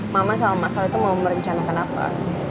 mama sama masa itu mau merencanakan apa